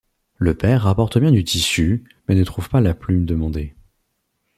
Le père rapporte bien du tissu, mais ne trouve pas la plume demandée.